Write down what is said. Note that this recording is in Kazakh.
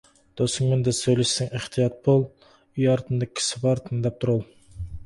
Досыңмен де сөйлессең, ықтият бол, үй артында кісі бар, тыңдап тұр ол.